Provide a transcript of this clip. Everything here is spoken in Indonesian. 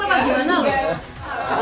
terima kasih teman teman ya pak